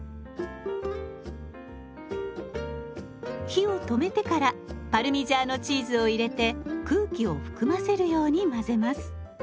火を止めてからパルミジャーノチーズを入れて空気を含ませるように混ぜます。